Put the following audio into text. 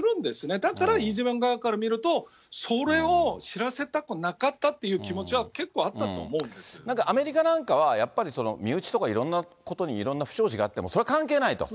だからイ・ジェミョン側から見ると、それを知らせたくなかったという気持ちは、結構あったと思うんでなんかアメリカなんかは、やっぱり身内とかいろんなことにいろんな不祥事があっても、それは関係ないと。